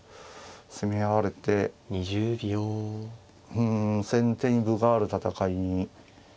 うん先手に分がある戦いに。